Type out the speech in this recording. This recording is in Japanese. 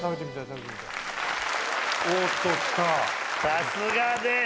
さすがです。